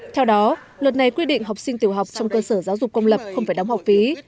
theo đó luật này quy định học sinh tiểu học trong cơ sở giáo dục công lập không phải đóng học phí